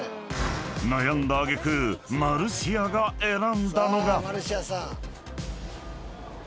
［悩んだ揚げ句マルシアが選んだのが］